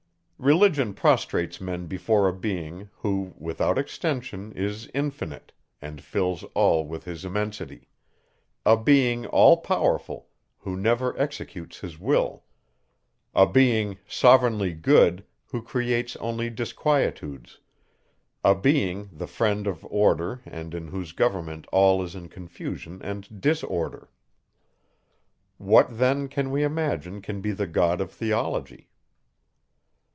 Religion prostrates men before a being, who, without extension, is infinite, and fills all with his immensity; a being, all powerful, who never executes his will; a being, sovereignly good, who creates only disquietudes; a being, the friend of order, and in whose government all is in confusion and disorder. What then, can we imagine, can be the God of theology?